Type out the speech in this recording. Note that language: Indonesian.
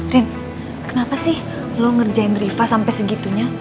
rin kenapa sih lo ngerjain riva sampe segitunya